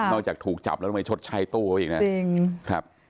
นอกจากถูกจับแล้วไม่ชดใช้ตู้เขาอีกนะ